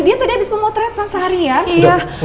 dia tadi habis pemotretan seharian